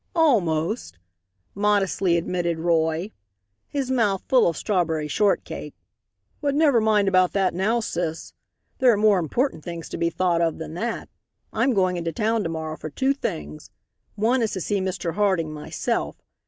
"Almost," modestly admitted Roy, his mouth full of strawberry shortcake, "but never mind about that now, sis. There are more important things to be thought of than that. I'm going into town to morrow for two things. One is to see Mr. Harding myself.